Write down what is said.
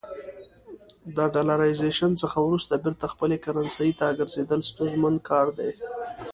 د ډالرایزیشن څخه وروسته بیرته خپلې کرنسۍ ته ګرځېدل ستونزمن کار دی.